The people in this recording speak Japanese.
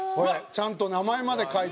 ちゃんと名前まで書いて。